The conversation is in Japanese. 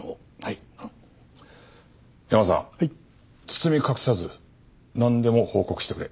包み隠さずなんでも報告してくれ。